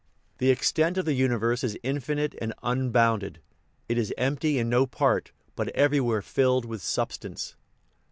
The extent of the universe is infinite and un bounded ; it is empty in no part, but everywhere filled with substance.